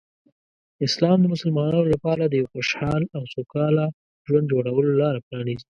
اسلام د مسلمانانو لپاره د یو خوشحال او سوکاله ژوند جوړولو لاره پرانیزي.